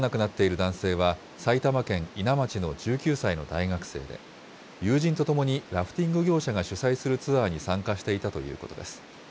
行方が分からなくなっている男性は、埼玉県伊奈町の１９歳の大学生で、友人と共にラフティング業者が主催するツアーに参加していたということです。